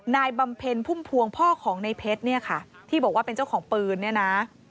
บำเพ็ญพุ่มพวงพ่อของในเพชรเนี่ยค่ะที่บอกว่าเป็นเจ้าของปืนเนี่ยนะ